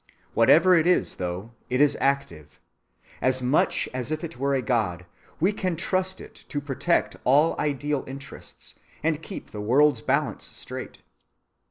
Whatever it is, though, it is active. As much as if it were a God, we can trust it to protect all ideal interests and keep the world's balance straight.